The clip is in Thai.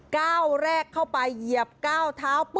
ก้าวแรกเข้าไปเหยียบก้าวเท้าปุ๊